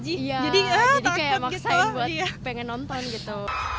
jadi kayak maksain buat pengen nonton gitu